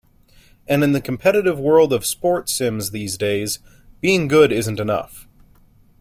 And in the competitive world of sports sims these days, being good isn't enough.